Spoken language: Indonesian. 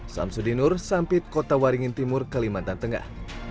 samsudinur sampit kota waringin timur kalimantan tengah